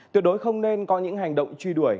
tuyệt đối không nên có những hành động truy đuổi